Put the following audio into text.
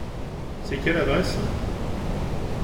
C’est quelle adresse ?